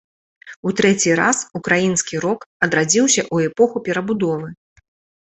У трэці раз ўкраінскі рок адрадзіўся ў эпоху перабудовы.